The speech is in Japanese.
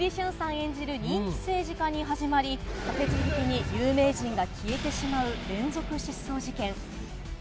演じる人気政治家に始まり、立て続けに有名人が消えてしまう連続失踪事件。